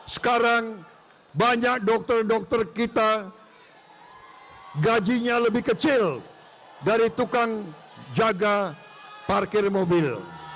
sekarang banyak dokter dokter kita gajinya lebih kecil dari tukang jaga parkir mobil